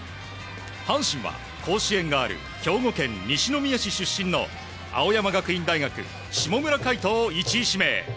阪神は甲子園がある兵庫県西宮市出身の青山学院大学下村海翔を１位指名。